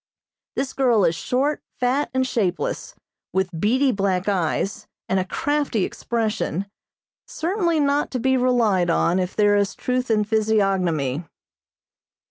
This girl is short, fat and shapeless, with beady black eyes, and a crafty expression, certainly not to be relied on if there is truth in physiognomy.